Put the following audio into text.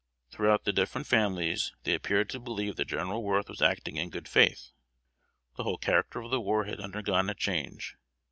Throughout the different families, they appeared to believe that General Worth was acting in good faith. The whole character of the war had undergone a change.